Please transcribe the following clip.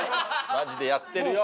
マジでやってるよ。